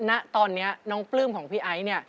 ณตอนนี้น้องปลื้มของพี่ไอซ์เนี่ย